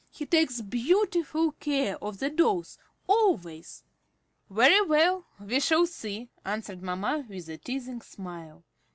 He takes beau tiful care of the dolls, always." "Very well, we shall see," answered mamma, with a teazing smile.